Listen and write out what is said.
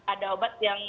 ada obat yang